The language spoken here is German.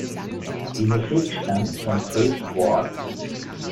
Die Musik stammt von Chris Ward.